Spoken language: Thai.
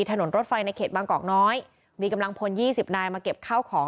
รถไฟในเขตบางกอกน้อยมีกำลังพลยี่สิบนายมาเก็บข้าวของ